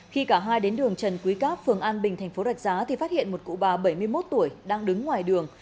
khi cả hai đến đường trần quý cáp phường an bình thành phố rạch giá thì phát hiện một cụ bà bảy mươi một tuổi đang đứng ngoài đường